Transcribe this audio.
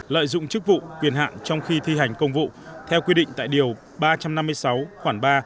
lợi dụng chức vụ quyền hạn trong khi thi hành công vụ theo quy định tại điều ba trăm năm mươi sáu khoảng ba